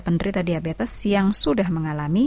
penderita diabetes yang sudah mengalami